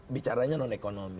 bicaranya non ekonomi